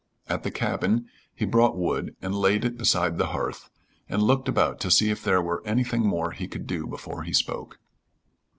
At the cabin he brought wood and laid it beside the hearth, and looked about to see if there were anything more he could do before he spoke.